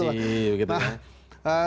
nah gitu masih